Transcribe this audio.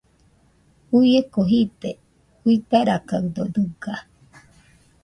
Uieko jide, uidarakaɨdo dɨga.